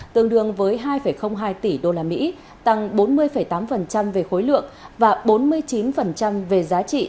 tương đương với hai hai tỷ usd tăng bốn mươi tám về khối lượng và bốn mươi chín về giá trị